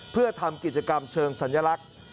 เพื่อทำกิจกรรมเชิงสัญลักษณ์